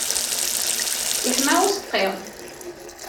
Yeḥma useqqi.